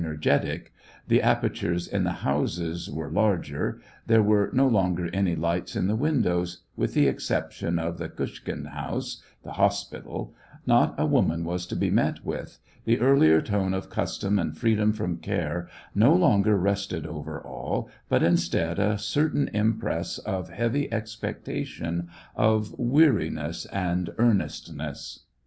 ergetic, the apertures in the houses were larger, there were no longer any lights in the windows, with the exception of the Kushtchin house (the hospital), not a woman was to be met with, the earlier tone of custom and freedom from care no longer rested over all, but, instead, a certain im press of heavy expectation, of weariness and ear nestness.